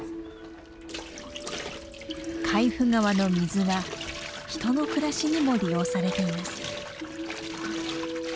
海部川の水は人の暮らしにも利用されています。